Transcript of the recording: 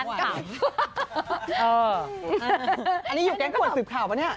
อันนี้อยู่แก๊งขวดสืบข่าวป่ะเนี่ย